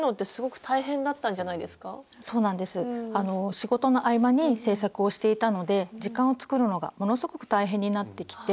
仕事の合間に制作をしていたので時間をつくるのがものすごく大変になってきて。